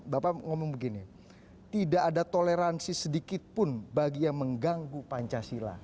bapak ngomong begini tidak ada toleransi sedikitpun bagi yang mengganggu pancasila